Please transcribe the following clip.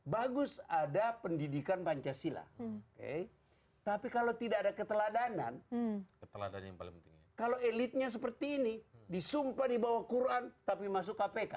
bagus ada pendidikan pancasila oke tapi kalau tidak ada keteladanan kalau elitnya seperti ini disumpah di bawah quran tapi masuk kpk